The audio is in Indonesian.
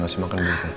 ngasih makan dulu